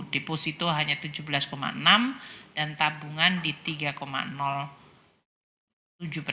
deposito hanya rp tujuh belas enam dan tabungan di tiga